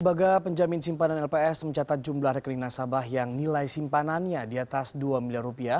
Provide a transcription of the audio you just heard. lembaga penjamin simpanan lps mencatat jumlah rekening nasabah yang nilai simpannya di atas dua miliar rupiah